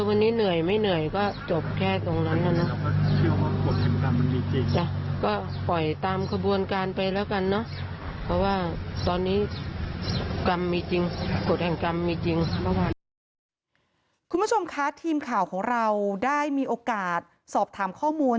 คุณผู้ชมคะทีมข่าวของเราได้มีโอกาสสอบถามข้อมูล